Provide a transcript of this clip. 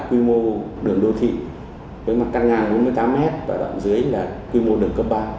quy mô đường đô thị với mặt căn ngang bốn mươi tám m và đoạn dưới là quy mô đường cấp ba